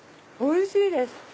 おいしいです。